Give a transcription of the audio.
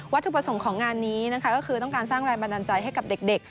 ถูกประสงค์ของงานนี้นะคะก็คือต้องการสร้างแรงบันดาลใจให้กับเด็ก